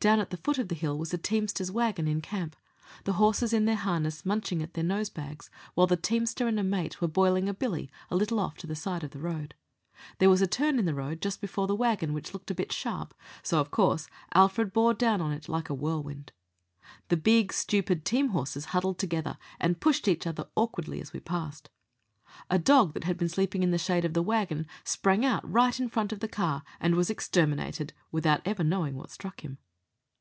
Down at the foot of the hill was a teamster's waggon in camp; the horses in their harness munching at their nose bags, while the teamster and a mate were boiling a billy a little off to the side of the road. There was a turn in the road just below the waggon which looked a bit sharp, so of course Alfred bore down on it like a whirlwind. The big stupid team horses huddled together and pushed each other awkwardly as we passed. A dog that had been sleeping in the shade of the waggon sprang out right in front of the car, and was exterminated without ever knowing what struck him.